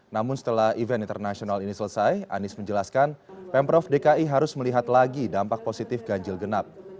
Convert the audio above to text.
namun setelah event internasional ini selesai anies menjelaskan pemprov dki harus melihat lagi dampak positif ganjil genap